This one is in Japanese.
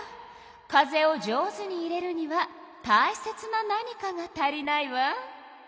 風を上手に入れるにはたいせつな何かが足りないわ。